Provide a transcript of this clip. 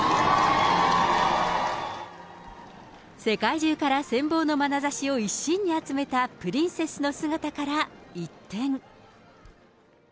世界中からせん望のまなざしを一身に集めたプリンセスの姿から一転。